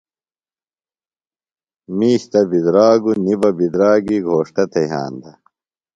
مِیش تہ بِدراگوۡ نیۡ بہ بِدراگی گھوݜٹہ تھےۡ یھاندہ۔